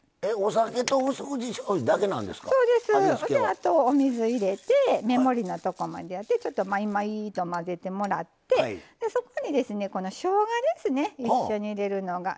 あとお水入れてメモリのとこまでやってまいまいと混ぜてもらってそこにですねしょうがですね一緒に入れるのが。